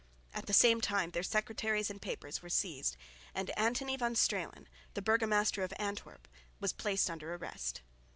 At the same time their secretaries and papers were seized, and Antony van Stralen, the burgomaster of Antwerp, was placed under arrest.